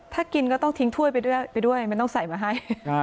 ถ้ากินก็ต้องทิ้งถ้วยไปด้วยไปด้วยไม่ต้องใส่มาให้